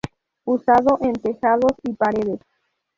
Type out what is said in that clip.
Usado en tejados y paredes.